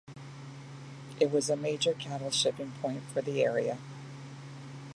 It was a major cattle shipping point for the area.